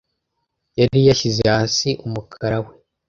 yari yashyize hasi umukara we